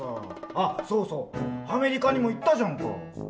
あっ、そうそう、アメリカにも行ったじゃんか。